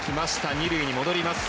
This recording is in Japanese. ２塁に戻ります。